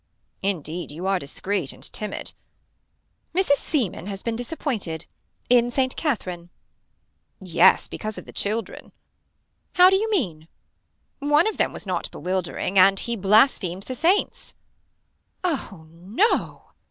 Indeed you are discreet and timid. Mrs. Seeman has been disappointed. In Saint Katherine. Yes because of the children. How do you mean. One of them was not bewildering and he blasphemed the saints. Oh no.